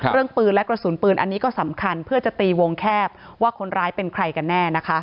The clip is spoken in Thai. เรื่องปืนและกระสุนปืนอันนี้ก็สำคัญเพื่อจะตีวงแคบว่าคนร้ายเป็นใครกันแน่นะคะ